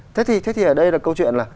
thế thì ở đây là câu chuyện là